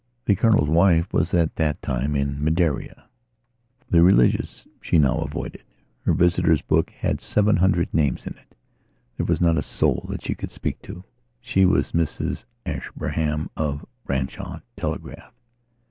The Colonel's wife was at that time in Madeira; the religious she now avoided. Her visitors' book had seven hundred names in it; there was not a soul that she could speak to. She was Mrs Ashburnham of Branshaw Teleragh.